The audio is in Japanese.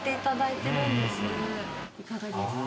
いかがですか？